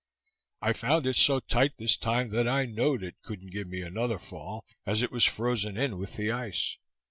I found it so tight this time, that I know'd it couldn't give me another fall, as it was frozen in with the ice.